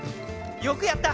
よくやった。